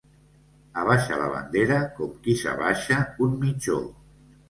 Abaixa la bandera com qui s'abaixa un mitjó.